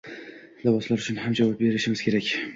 liboslar uchun ham javob berishimiz kerak.